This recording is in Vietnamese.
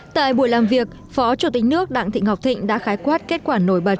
tại buổi làm việc phó chủ tịch nước đặng thị ngọc thịnh đã khái quát kết quả nổi bật